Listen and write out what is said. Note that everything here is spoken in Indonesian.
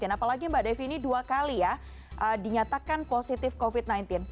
apalagi mbak devi ini dua kali ya dinyatakan positif covid sembilan belas